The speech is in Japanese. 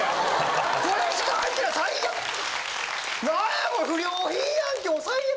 これしか入ってない最悪なんやこれ不良品やんけもう最悪。